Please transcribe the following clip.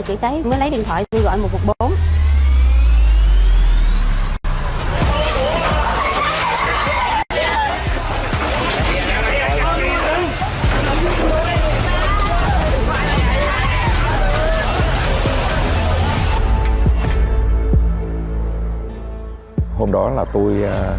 từ nay đến nay